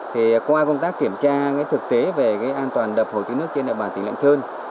thì qua công tác kiểm tra cái thực tế về cái an toàn đập hồ chứa nước trên địa bàn tỉnh lạng sơn